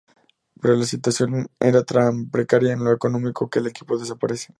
Pero la situación era tan precaria en lo económico que el equipo desaparece.